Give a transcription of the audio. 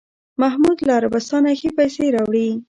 محمود له عربستانه ښې پسې راوړې.